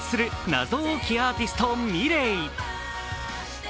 謎多きアーティスト、ｍｉｌｅｔ。